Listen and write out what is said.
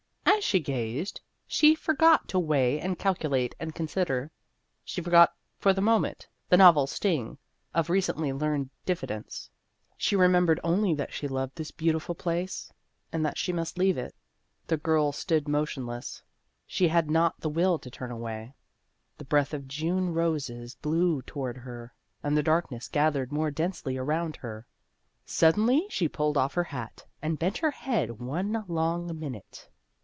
As she gazed, she forgot to weigh and calculate and consider ; she forgot for the moment the novel sting of recently learned diffidence ; she remem bered only that she loved this beautiful place, and that she must leave it. The girl stood motionless ; she had not the will to turn away ; the breath of June roses blew toward her, and the darkness gathered more densely around. Suddenly she pulled off her hat, and bent her head one long minute.